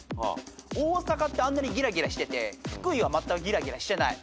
大阪ってあんなにギラギラしてて福井はまったくギラギラしてない。